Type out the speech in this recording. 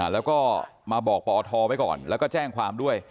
แล้วก็มาบอกปอทไว้ก่อนแล้วก็แจ้งความด้วย